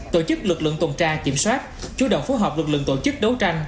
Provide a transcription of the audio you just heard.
tổ chức lực lượng tuần tra kiểm soát chủ động phối hợp lực lượng tổ chức đấu tranh